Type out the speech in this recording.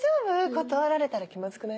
断られたら気まずくない？